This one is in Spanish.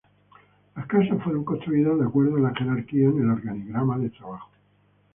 Las casa fueron construidas de acuerdo a la jerarquía en el organigrama de trabajo.